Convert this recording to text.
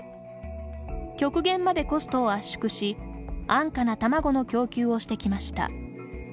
極限までコストを圧縮し安価な卵の供給をしてきました。